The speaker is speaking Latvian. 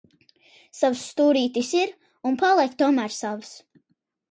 Savs stūrītis ir un paliek tomēr savs.